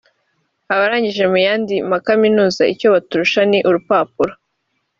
abarangije mu yandi makaminuza icyo baturusha ni urupapuro